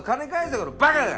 このバカが！